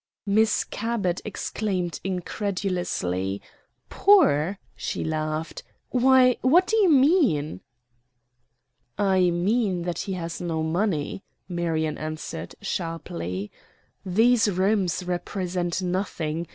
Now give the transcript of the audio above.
Miss Cabot exclaimed incredulously, "Poor!" She laughed. "Why, what do you mean?" "I mean that he has no money," Marion answered, sharply. "These rooms represent nothing.